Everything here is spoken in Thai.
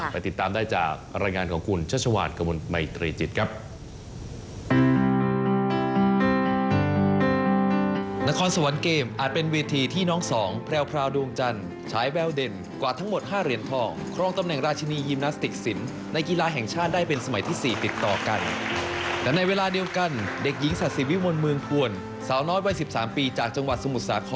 ติดตามได้จากรายงานของคุณชัชวานกระมวลมัยตรีจิตครับ